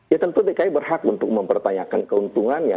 ya tentu dki berhak untuk mempertanyakan keuntungannya